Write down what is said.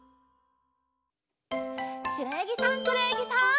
しろやぎさんくろやぎさん。